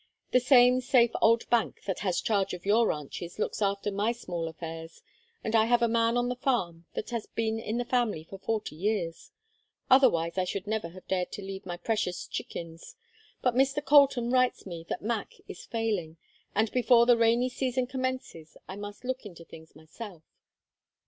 The same safe old bank that has charge of your ranches looks after my small affairs, and I have a man on the farm that has been in the family for forty years; otherwise I should never have dared to leave my precious chickens; but Mr. Colton writes me that Mac is failing, and before the rainy season commences I must look into things myself."